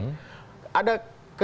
ada kekhawatiran dari masyarakat